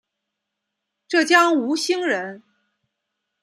浙江吴兴人。